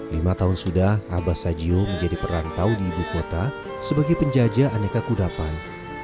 lima tahun sudah abah sajio menjadi perantau di ibu kota sebagai penjajah aneka kudapan